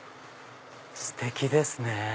ステキですね。